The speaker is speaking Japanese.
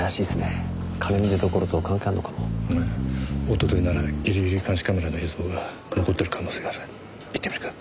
一昨日ならギリギリ監視カメラの映像が残ってる可能性がある。